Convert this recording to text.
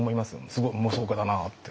すごい妄想家だなって。